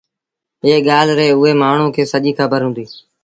ايئي ڳآل ريٚ اُئي مآڻهوٚٚݩ کي سڄيٚ کبر هُݩديٚ